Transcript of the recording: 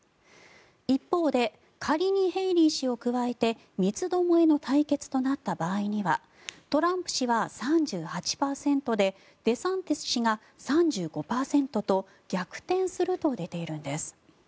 一方で仮にヘイリー氏を加えて三つどもえの対決となった場合にはトランプ氏は３８％でデサンティス氏が３５％と逆転すると出ているんです。